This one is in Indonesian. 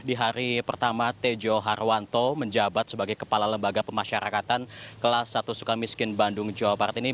di hari pertama tejo harwanto menjabat sebagai kepala lembaga pemasyarakatan kelas satu suka miskin bandung jawa barat ini